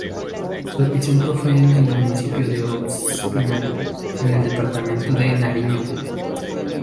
Su epicentro fue en el municipio de Ospina, en el departamento de Nariño.